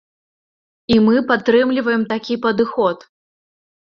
І мы падтрымліваем такі падыход.